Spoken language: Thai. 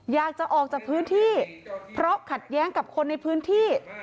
อยากจะออกจากพื้นที่เพราะขัดแย้งกับคนในพื้นที่